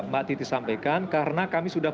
mbak titi sampaikan karena kami sudah